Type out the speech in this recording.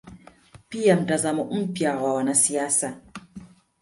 pia mtazamo mpya wa wanasiasa